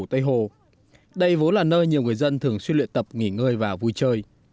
tây hồ đây vốn là nơi nhiều người dân thường xuyên luyện tập nghỉ ngơi và vui chơi